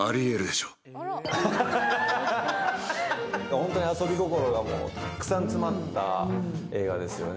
ホントに遊び心がたくさん詰まった映画ですよね。